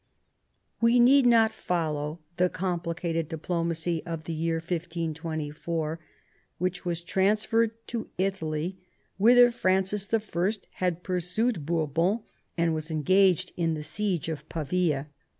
We need not follow the complicated diplomacy of the year 1524, which was transferred to Italy, whither Francis I. had pursued Bourbon and was engaged in the siege of Pavia.